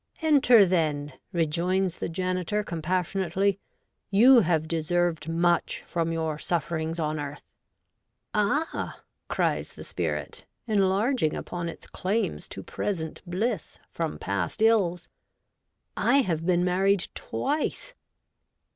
' Enter, then,' rejoins the janitor, compassionately ;' you have deserved much from your sufferings on earth !'' Ah !' cries the spirit, enlarging upon its claims to present bliss from past ills ;' I have been married 104 REVOLTED WOMAN. twice